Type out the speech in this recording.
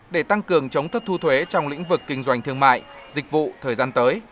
để tăng cường chống thất thu thuế trong lĩnh vực kinh doanh thương mại dịch vụ thời gian tới